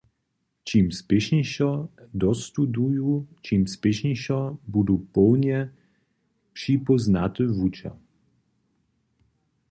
Čim spěšnišo dostuduju, ćim spěšnišo budu połnje připóznaty wučer.